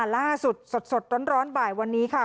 อ่าล่าสุดสดสดร้อนร้อนบ่ายวันนี้ค่ะ